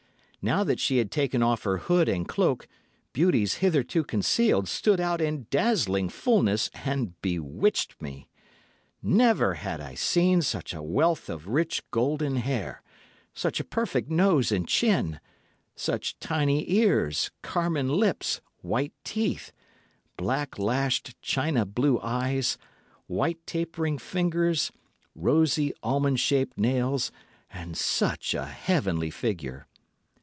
Now that she had taken off her hood and cloak, beauties hitherto concealed stood out in dazzling fulness and bewitched me. Never had I seen such a wealth of rich golden hair, such a perfect nose and chin, such tiny ears, carmine lips, white teeth, black lashed, china blue eyes, white tapering fingers, rosy, almond shaped nails, and such a heavenly figure.